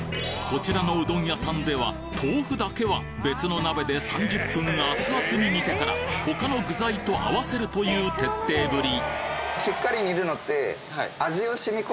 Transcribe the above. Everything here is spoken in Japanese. こちらのうどん屋さんでは豆腐だけは別の鍋で３０分熱々に煮てから他の具材と合わせるという徹底ぶり